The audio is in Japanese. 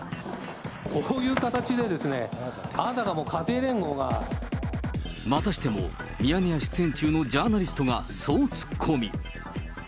こういう形でですね、またしても、ミヤネ屋出演中のジャーナリストが、総ツッコミ。